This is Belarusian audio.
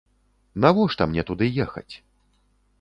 Навошта мне туды ехаць?